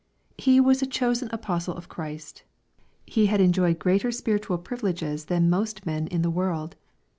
He was a chosen apostle of Christ. He had enjoyed great er spiritual privileges than most men in the world.